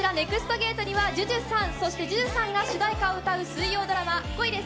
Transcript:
ゲートにはＪＵＪＵさん、そしてＪＵＪＵさんが主題歌を歌う水曜ドラマ『恋です！